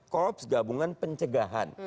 korps gabungan pencegahan